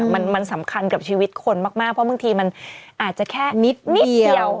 มันสำคัญกับชีวิตคนมากเพราะบางทีมันอาจจะแค่นิดเดียว